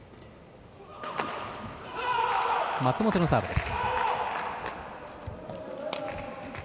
松本のサーブです。